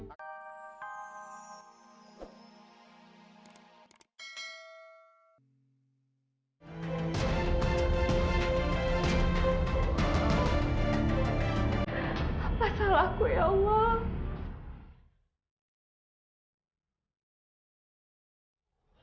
apa salahku ya allah